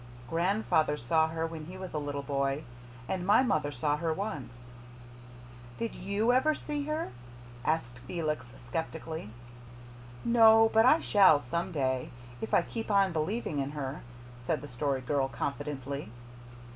Grandfather saw her when he was a little boy. And my mother saw her once." "Did YOU ever see her?" asked Felix skeptically. "No, but I shall some day, if I keep on believing in her," said the Story Girl confidently.